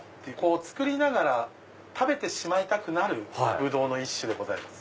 作りながら食べてしまいたくなるブドウの一種でございます。